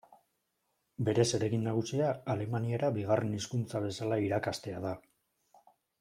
Bere zeregin nagusia alemaniera bigarren hizkuntza bezala irakastea da.